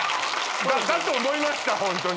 だと思いましたホントに。